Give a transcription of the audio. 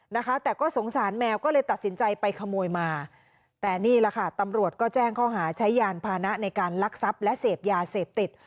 นะคะแต่ก็สงสารแมวก็เลยตัดสินใจไปขโมยมาแต่นี่แหละค่ะตำรวจก็แจ้งข้อหาใช้ยานพานะในการลักทรัพย์และเสพยาเสพติด